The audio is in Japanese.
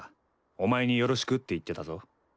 お前によろしくって言ってたぞ。